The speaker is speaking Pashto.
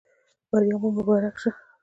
بریا مو مبارک شه.